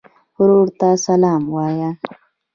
ورور ته سلام وایې.